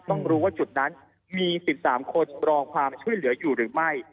ต้องรู้ว่าจุดนั้นมี๑๓คนรอความช่วยเหลืออยู่หรือไม่